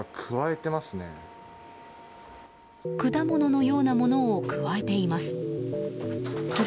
果物のようなものをくわえています。